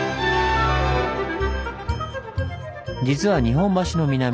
実は日本橋の南